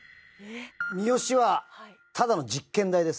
三吉はただの実験台です。